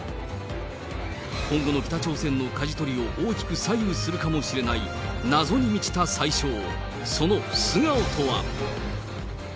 今後の北朝鮮のかじ取りを大きく左右するかもしれない謎に満ちた宰相、その素顔とは。